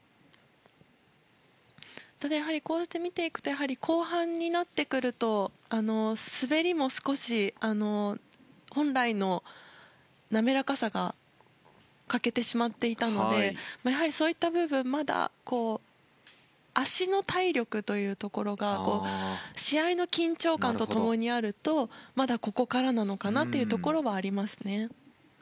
ただ、やはりこうして見ていくと後半になってくると滑りも少し本来の滑らかさが欠けてしまっていたのでやはり、そういった部分まだ足の体力というところが試合の緊張感と共にあるとまだここからなのかなというのはありますね。